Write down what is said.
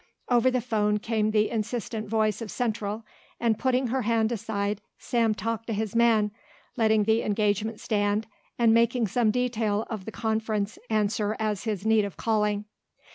Over the 'phone came the insistent voice of Central and putting her hand aside Sam talked to his man, letting the engagement stand and making some detail of the conference answer as his need of calling.